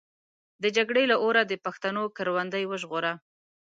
د جګړې له اوره د پښتنو کروندې وژغوره.